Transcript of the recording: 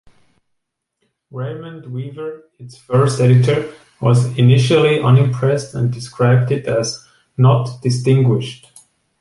Raymond Weaver, its first editor, was initially unimpressed and described it as "not distinguished".